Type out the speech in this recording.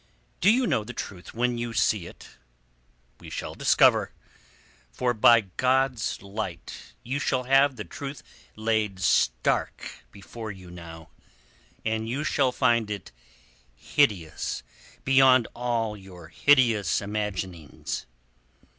"Do you know the truth when you see it? We shall discover. For by God's light you shall have the truth laid stark before you now, and you shall find it hideous beyond all your hideous imaginings."